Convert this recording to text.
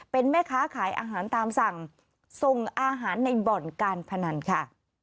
เป็นแม่ค้าขายอาหารตามสั่งส่งอาหารในบ่อนการพนันค่ะ